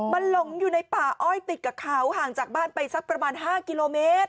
มันหลงอยู่ในป่าอ้อยติดกับเขาห่างจากบ้านไปสักประมาณ๕กิโลเมตร